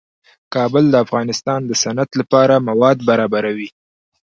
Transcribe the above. کابل د افغانستان د صنعت لپاره مواد برابروي.